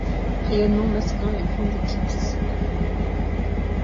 Rayonnements masquant la grande éclipse à l’âme!